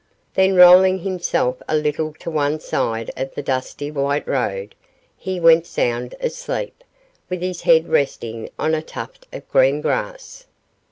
Then rolling himself a little to one side of the dusty white road, he went sound asleep, with his head resting on a tuft of green grass.